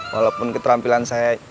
walaupun ketrampilan saya